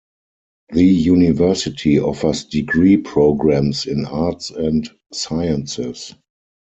The university offers degree programs in Arts and Sciences.